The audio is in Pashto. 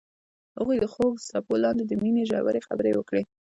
هغوی د خوږ څپو لاندې د مینې ژورې خبرې وکړې.